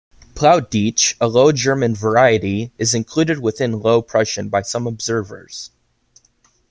Plautdietsch, a Low German variety, is included within Low Prussian by some observers.